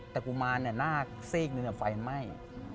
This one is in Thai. แต่กุมารเนี่ยหน้าสิ้กหนึ่งเนี่ยไฟไหม้